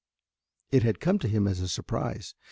It had come to him as a surprise.